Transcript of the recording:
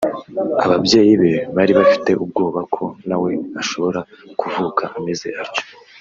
ababyeyi be bari bafite ubwoba ko na we ashobora kuvuka ameze atyo